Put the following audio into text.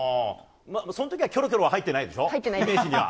その時はキョロキョロは入ってないでしょ。